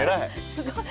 すごい。